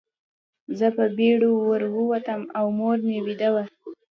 زه په بېړه ور ووتم او مور مې ویده وه